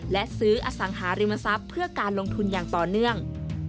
และซื้ออสังหาริมทรัพย์เพื่อการลงทุนอย่างต่อเนื่อง